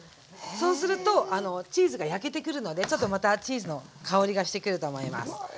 そうするとチーズが焼けてくるのでちょっとまたチーズの香りがしてくると思います。